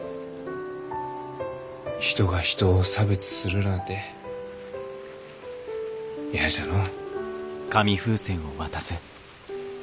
人が人を差別するらあて嫌じゃのう。